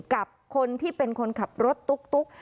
กับคนที่เป็นคนขับรถตุ๊ก